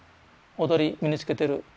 踊り身につけてる。